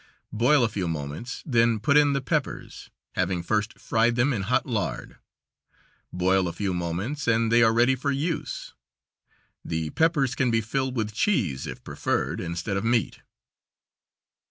Boil a few moments, then put in the peppers, having first fried them in hot lard. Boil a few moments, and they are ready for use. The peppers can be filled with cheese if preferred, instead of meat.